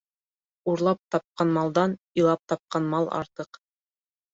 Урлап тапҡан малдан илап тапҡан мал артыҡ.